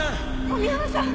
小宮山さん！